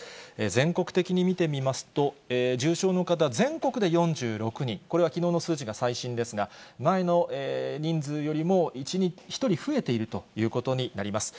全国的に見てみますと、重症の方、全国で４６人、これはきのうの数値が最新ですが、前の人数よりも１人増えているということになります。